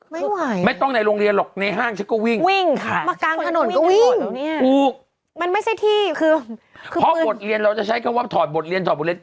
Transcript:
ไม่ต้องในโรงเรียนหรอกในห้างฉันก็วิ่งวิ่งค่ะมากลางถนนวิ่งมันไม่ใช่ที่คือเพราะบทเรียนเราจะใช้คำว่าถอดบทเรียนถอดบทเรียน